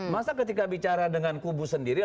masa ketika bicara dengan pimpinan partai